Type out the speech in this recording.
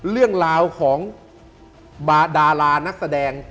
เรื่องราวของดารานักแสดง